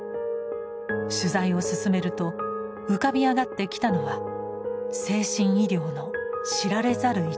取材を進めると浮かび上がってきたのは精神医療の知られざる一面でした。